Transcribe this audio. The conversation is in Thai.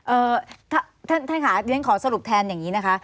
เอ่อท่านค่ะอย่างนี้ขอสรุปแทนอย่างนี้นะคะ